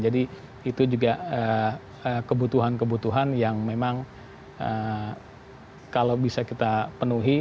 jadi itu juga kebutuhan kebutuhan yang memang kalau bisa kita penuhi